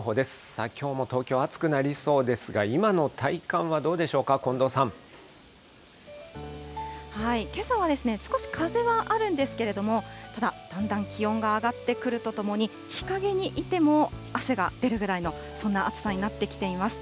さあきょうも東京、暑くなりそうですが、今の体感はどうでしょうけさは少し風はあるんですけれども、ただ、だんだん気温が上がってくるとともに、日陰にいても汗が出るぐらいの、そんな暑さになってきています。